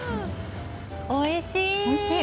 おいしい。